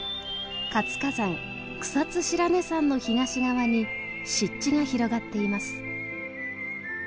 活火山草津白根山の東側に湿地が広がっています。